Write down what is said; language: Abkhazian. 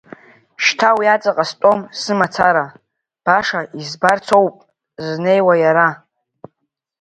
Шьҭа уи аҵаҟа стәом сымацара, баша избарцоуп сызнеиуа иара.